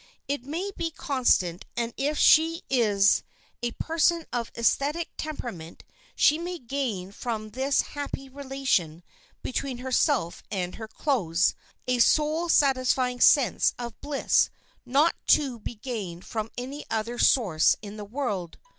It may be constant and if she is a person of esthetic temperament she may gain from this happy relation between herself and her clothes a soul satisfying sense of bliss not to be gained from any other source in the world.